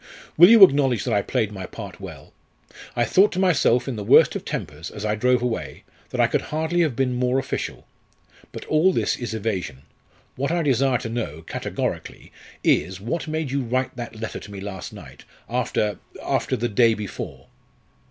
"Will you acknowledge that I played my part well? I thought to myself, in the worst of tempers, as I drove away, that I could hardly have been more official. But all this is evasion. What I desire to know, categorically, is, what made you write that letter to me last night, after after the day before?"